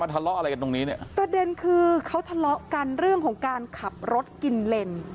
ตะเด่นคือเขาทะเลาะกันเรื่องของการขับรถกินเล่น